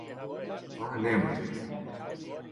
А нема их.